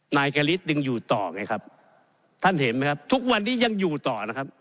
นายกริตยังอยู่ต่อไงครับท่านเห็นไหมครับทุกวันนี้ยังอยู่ต่อนะครับ